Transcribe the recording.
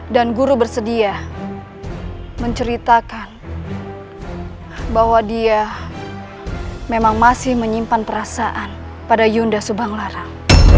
dan guru bersedia menceritakan bahwa dia memang masih menyimpan perasaan pada yunda subanglarang